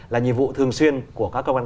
là nhiệm vụ thường xuyên của các công an